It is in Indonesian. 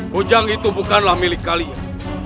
kujang itu bukanlah milik kalian